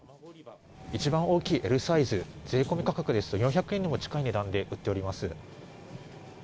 一番大きいＬサイズ税込み価格ですと４００円にも近い値段で売っております。